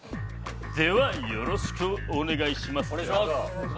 ではよろしくお願いします。